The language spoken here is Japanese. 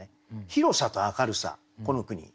広さと明るさこの句に。